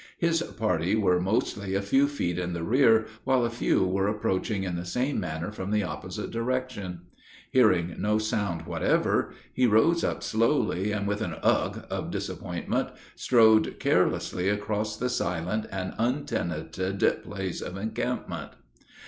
His party were mostly a few feet in the rear, while a few were approaching in the same manner from the opposite direction. Hearing no sound whatever, he rose up slowly, and with an "ugh" of disappointment, strode carelessly across the silent and untenanted place of encampment.